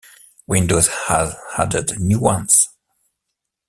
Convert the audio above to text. Windows has added new ones.